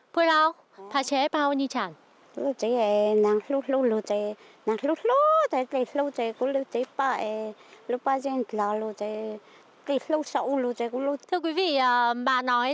thưa quý vị bà nói là do một cái tảnh đá rất là lớn trôi từ thượng nguồn xuống